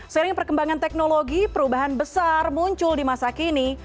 seiring perkembangan teknologi perubahan besar muncul di masa kini